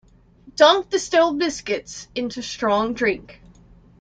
Dunk the stale biscuits into strong drink.